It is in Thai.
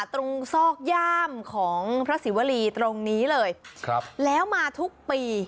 ตรงซอกย่ามของพระศรีวรีตรงนี้เลยแล้วมาทุกปี